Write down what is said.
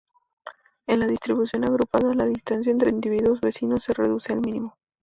En la distribución agrupada, la distancia entre individuos vecinos se reduce al mínimo.